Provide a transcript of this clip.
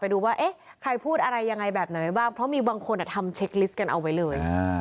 ดูว่าเอ๊ะใครพูดอะไรยังไงแบบไหนไว้บ้างเพราะมีบางคนทำเช็คลิสต์กันเอาไว้เลย